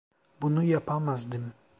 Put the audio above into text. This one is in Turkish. Bunu yapamazdım.